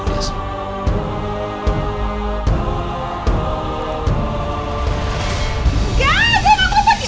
gak saya gak mau pergi